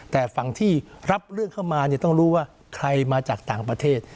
แต่ฝั่งที่รับเรื่องเข้ามาเนี่ยต้องรู้ว่าใครมาจากต่างประเทศ